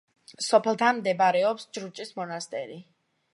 სოფელთან მდებარეობს ჯრუჭის მონასტერი.